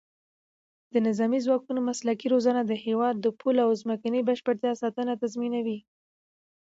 د نظامي ځواکونو مسلکي روزنه د هېواد د پولو او ځمکنۍ بشپړتیا ساتنه تضمینوي.